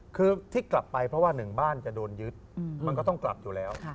คือที่กลับไปเพราะว่าหนึ่งบ้านจะโดนยึดมันก็ต้องกลับอยู่แล้ว